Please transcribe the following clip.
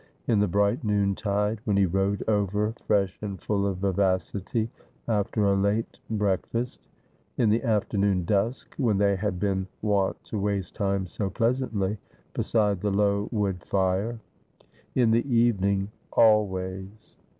In the bright noontide, when he rode over fresh and full of vivacity after a late breakfast ; in the afternoon dusk, when they had been wont to waste time so pleasantly beside the low wood fire ; in the evening ; always.